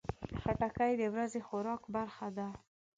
خټکی د ورځني خوراک برخه ده.